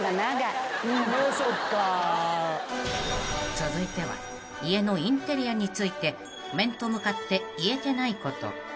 ［続いては家のインテリアについて面と向かって言えてないこと］